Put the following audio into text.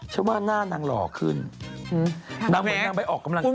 ว่าหน้านางหล่อขึ้นนางเหมือนนางไปออกกำลังกาย